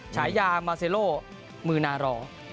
ฉายามาเซโลมือนารอ